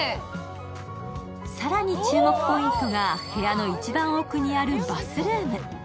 更に注目ポイントが部屋の一番奥にあるバスルーム。